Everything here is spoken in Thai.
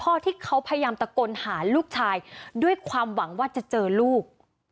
ที่เขาพยายามตะโกนหาลูกชายด้วยความหวังว่าจะเจอลูก